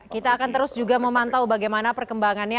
kita akan terus juga memantau bagaimana perkembangannya